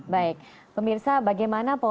baik pemirsa bagaimana